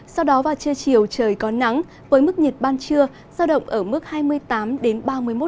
sau đó vào trưa chiều trời có nắng với mức nhiệt ban trưa giao động ở mức hai mươi tám ba mươi một độ